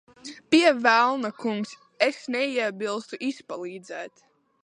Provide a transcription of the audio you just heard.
Pie velna, kungs. Es neiebilstu izpalīdzēt.